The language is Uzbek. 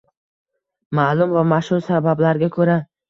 – ma’lum va mashhur sabablarga ko‘ra